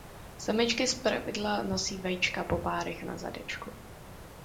Samičky zpravidla nosí vajíčka po párech na zadečku.